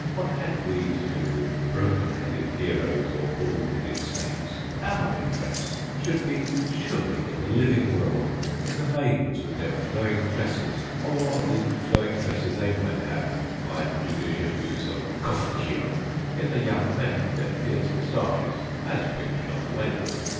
What had we to do with broken headed heroes, or bald headed saints? Our interest should be surely in the living world; in the maidens with their flowing tresses, or the flowing tresses they might have, by judicious use of "Kophkeo," in the young men with their fierce moustaches as pictured on the label.